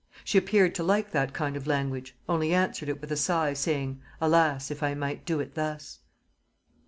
She appeared to like that kind of language, only answered it with a sigh, saying, Alas, if I might do it thus!"